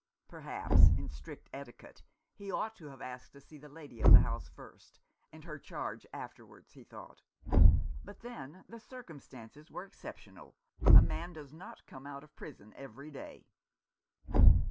Perhaps in strict etiquette he ought to have asked to see the lady of the house first, and her charge afterwards, he thought ; but then the circumstances were exceptional — a man does not come out of prison every day.